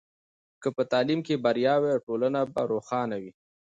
که په تعلیم کې بریا وي، نو ټولنه به روښانه وي.